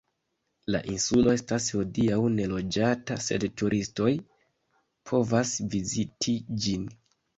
La insulo estas hodiaŭ neloĝata, sed turistoj povas viziti ĝin.